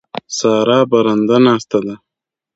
سارا برنده ناسته ده.